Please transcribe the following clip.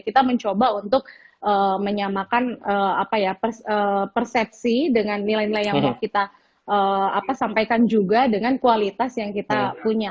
kita mencoba untuk menyamakan persepsi dengan nilai nilai yang mau kita sampaikan juga dengan kualitas yang kita punya